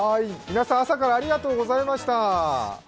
皆さん、朝からありがとうございました。